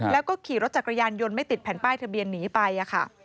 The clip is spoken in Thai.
แล้วก็ขี่รถจักรยานยนต์ไม่ติดแผ่นป้ายทะเบียนหนีไปค่ะ